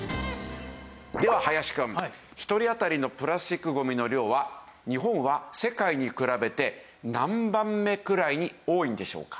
では林くん１人当たりのプラスチックゴミの量は日本は世界に比べて何番目くらいに多いんでしょうか。